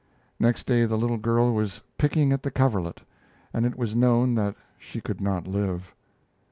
Next day the little girl was "picking at the coverlet," and it was known that she could not live.